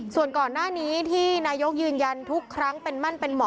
ส่วนก่อนหน้านี้ที่นายกยืนยันทุกครั้งเป็นมั่นเป็นหมอ